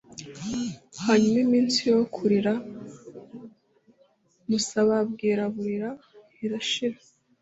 hanyuma iminsi yo kuririra musa bamwiraburira irashira.